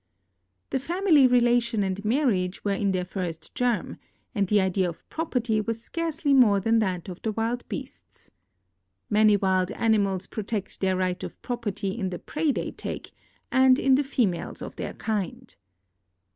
The family relation and nuirriage were in their first germ, and the idea of property was scarcely more than that of the wild beasts. Many wild animals protect their right of pr()i>erty in the prey they take and in the females of their kind.